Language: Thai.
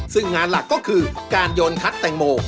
ซึ่งงานหลักก็คือการโยนทัดแตงโม